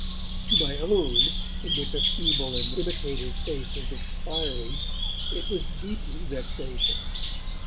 To my own, in which a feeble and imitative faith was expiring, it was deeply vexatious.